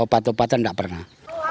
patupatan enggak pernah